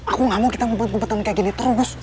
aku gak mau kita membuat kebetulan kayak gini terugus